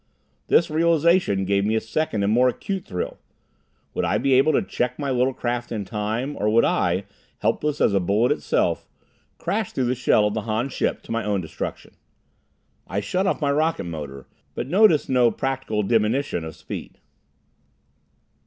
This realization gave me a second and more acute thrill. Would I be able to check my little craft in time, or would I, helpless as a bullet itself, crash through the shell of the Han ship to my own destruction? I shut off my rocketmotor, but noticed no practical diminution of speed.